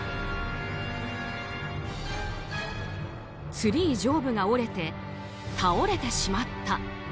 ツリー上部が折れて倒れてしまった。